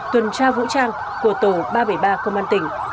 tuần tra vũ trang của tổ ba trăm bảy mươi ba công an tỉnh